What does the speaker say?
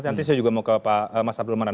nanti saya juga mau ke pak mas abdul manan